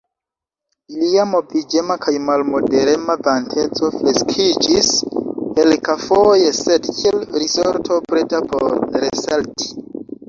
Ilia moviĝema kaj malmoderema vanteco fleksiĝis kelkafoje, sed kiel risorto preta por resalti.